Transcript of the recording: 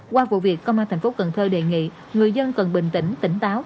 qua vụ việc công an thành phố cần thơ đề nghị người dân cần bình tĩnh tỉnh táo